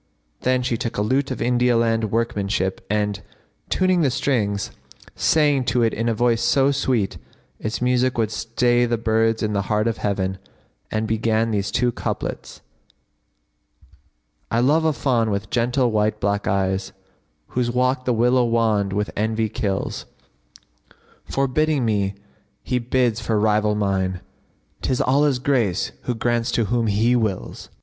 "[FN#58] Then she took a lute of India land workmanship and, tuning the strings, sang to it in a voice so sweet its music would stay the birds in the heart of heaven; and began these two couplets, "I love a fawn with gentle white black eyes, * Whose walk the willow wand with envy kills: Forbidding me he bids for rival mine, * 'Tis Allah's grace who grants to whom He wills!"